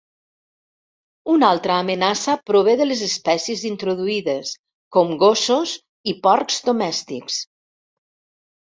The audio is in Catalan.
Una altra amenaça prové de les espècies introduïdes, com gossos i porcs domèstics.